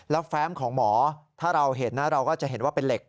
แล้วแฟ้มของหมอถ้าเราเห็นนะเราก็จะเห็นว่าเป็นเหล็ก